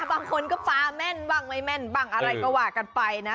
บางคนก็ฟ้าแม่นบ้างไม่แม่นบ้างอะไรก็ว่ากันไปนะ